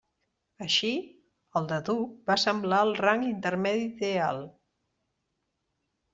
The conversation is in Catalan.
Així, el de duc va semblar el rang intermedi ideal.